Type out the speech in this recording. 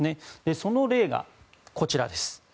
その例がこちら。